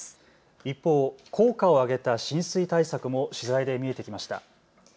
一方、効果をあげた浸水対策も取材で見えてきました。